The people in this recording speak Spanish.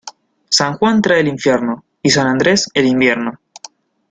San Juan trae el infierno, y San Andrés el invierno.